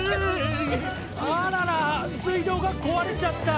あらら水道がこわれちゃった。